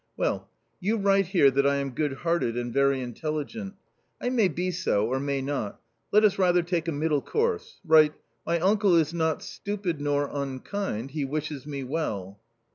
" Well, you write here, that I am good hearted and very intelligent — I may be so, or may not ; let us rather take a middle course, write : My uncle is not stupid nor unkind, he wishes me well."